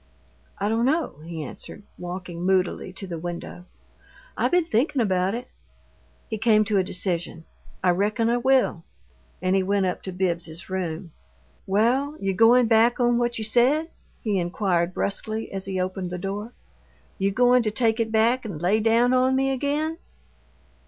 "I don't know," he answered, walking moodily to the window. "I been thinkin' about it." He came to a decision. "I reckon I will." And he went up to Bibbs's room. "Well, you goin' back on what you said?" he inquired, brusquely, as he opened the door. "You goin' to take it back and lay down on me again?"